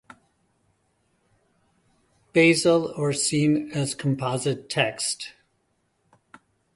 Basil or seen as a composite text.